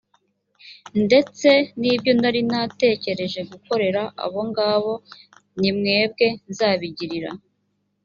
ndetse n’ibyo nari natekereje gukorera abo ngabo ni mwebwe nzabigirira.